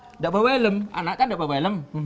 tidak bawa helm anak kan tidak bawa helm